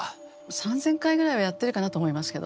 ３，０００回ぐらいはやってるかなと思いますけど。